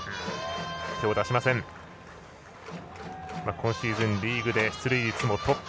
今シーズンリーグで出塁率もトップ。